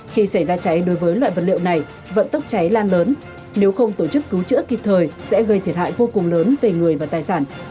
khi xảy ra cháy đối với loại vật liệu này vận tốc cháy lan lớn nếu không tổ chức cứu chữa kịp thời sẽ gây thiệt hại vô cùng lớn về người và tài sản